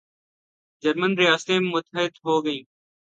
German ریاستیں متحد ہوگئیں